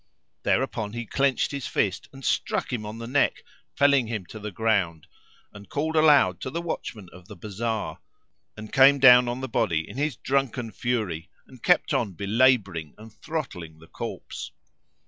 Thereupon he clenched his fist and struck him on the neck, felling him to the ground, and called aloud to the watchman of the bazar, and came down on the body in his drunken fury and kept on belabouring and throttling the corpse.